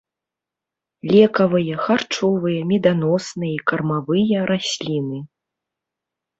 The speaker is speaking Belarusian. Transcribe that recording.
Лекавыя, харчовыя, меданосныя і кармавыя расліны.